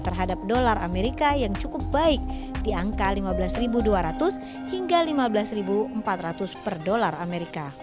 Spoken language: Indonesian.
terhadap dolar amerika yang cukup baik di angka lima belas dua ratus hingga lima belas empat ratus per dolar amerika